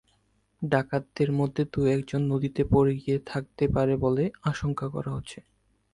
ডাকাতদের মধ্যে দু-একজন নদীতে পড়ে গিয়ে থাকতে পারে বলে আশঙ্কা করা হচ্ছে।